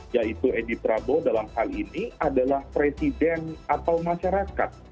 yaitu edi prabowo dalam hal ini adalah presiden atau masyarakat